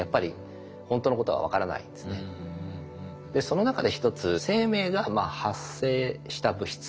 その中で一つ生命が発生した物質